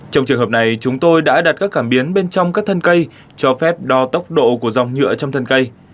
trong trường hợp này chúng tôi đã đặt các cảm biến bên trong các thân cây cho phép đo tốc độ của dòng nhựa trong thân cây